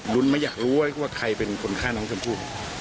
รุ้นไม่อยากรู้ว่าใครเป็นคนฆ่าน้องชมพู่